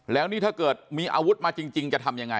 แล้วนี่ถ้าเกิดมีอาวุธมาจริงจะทำยังไง